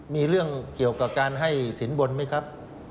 มีเรื่องเกี่ยวกับการให้สินบนไหมครับ